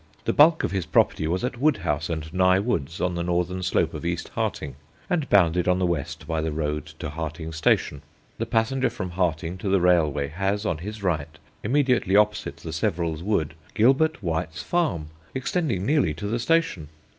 The bulk of his property was at Woodhouse and Nye woods, on the northern slope of East Harting, and bounded on the west by the road to Harting station. The passenger from Harting to the railway has on his right, immediately opposite the 'Severals' wood, Gilbert White's Farm, extending nearly to the station.